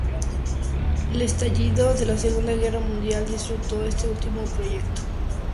El estallido de la Segunda Guerra Mundial frustró este último proyecto.